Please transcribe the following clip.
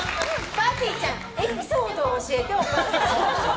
ぱーてぃーちゃんエピソードを教えて。